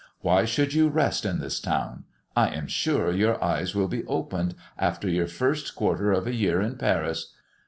Why should you rest in this town? I am sure your eyes will be opened after your first quarter of a year in Paris.